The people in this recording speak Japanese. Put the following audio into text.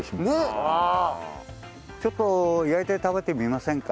ちょっと焼いて食べてみませんか？